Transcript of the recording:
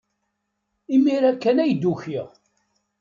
Imir-a kan ay d-ukiɣ.